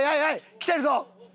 きてるぞ！